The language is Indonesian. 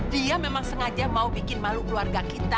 dia memang sengaja mau bikin malu keluarga kita